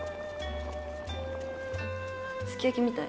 すき焼きみたい。